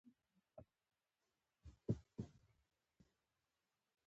روڼ سيند دمحمود حميدزي اثر دئ